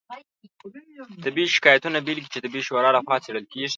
طبي شکایتونو بیلګې چې د طبي شورا لخوا څیړل کیږي